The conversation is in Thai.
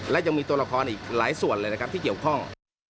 และยังมีตัวละครอีกหลายส่วนเลยนะครับที่เกี่ยวข้อง